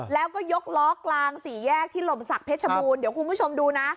แล้วก็ยกล้อกลางสี่แยกที่หล่มศักดิชบูรณ์เดี๋ยวคุณผู้ชมดูนะ